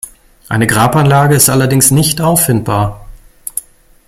Eine Grabanlage ist allerdings nicht auffindbar.